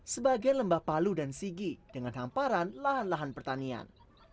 sebagai lembah palu dan sigi dengan hamparan lahan lahan pertanian